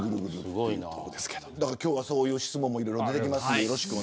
今日はそういう質問もいろいろ出てきます。